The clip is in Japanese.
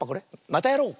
「またやろう！」。